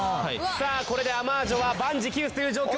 さぁこれでアマージョは万事休すという状況。